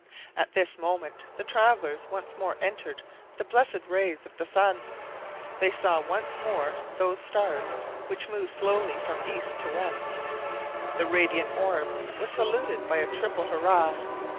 At this moment the travelers once more entered the blessed rays of the sun. They saw once more those stars which move slowly from east to west. The radiant orb was saluted by a triple hurrah.